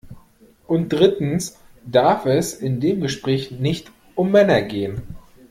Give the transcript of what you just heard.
Und drittens darf es in dem Gespräch nicht um Männer gehen.